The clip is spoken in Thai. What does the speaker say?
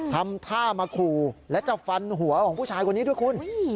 ทำท่ามาขู่และจะฟันหัวของผู้ชายคนนี้ด้วยคุณ